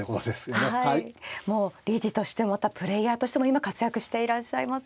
もう理事としてまたプレーヤーとしても今活躍していらっしゃいますよね。